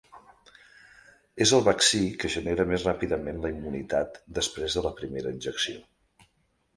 És el vaccí que genera més ràpidament la immunitat després de la primera injecció.